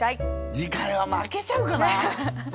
次回は負けちゃうかな。